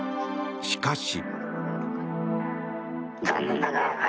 しかし。